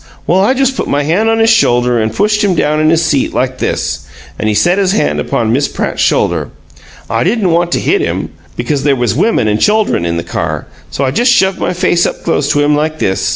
Well, I just put my hand on his shoulder and pushed him down in his seat like this" he set his hand upon Miss Pratt's shoulder. "I didn't want to hit him, because there was women and chuldren in the car, so I just shoved my face up close to him, like this.